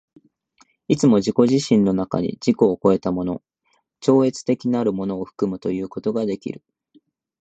いつも自己自身の中に自己を越えたもの、超越的なるものを含むということができる。